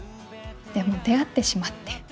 でも出会ってしまって。